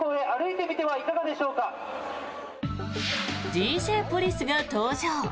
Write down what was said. ＤＪポリスが登場。